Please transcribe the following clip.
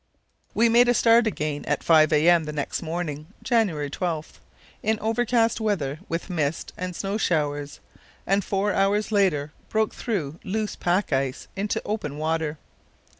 We made a start again at 5 a.m. the next morning (January 12) in overcast weather with mist and snow showers, and four hours later broke through loose pack ice into open water.